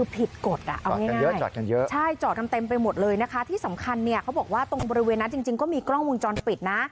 ผิดกฎง่ายจอดกันเต็มไปหมดเลยนะคะที่สำคัญเขาบอกว่าตรงบริเวณนะก็มีกล้องวงจรปิดนะ